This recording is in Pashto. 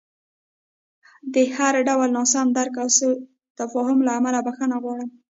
د هر ډول ناسم درک او سوء تفاهم له امله بښنه غواړم.